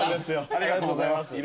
ありがとうございます。